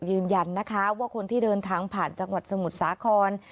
ยืนยันนะคะว่าคนที่เดินทางผ่านจังหวัดสมุทรสาคร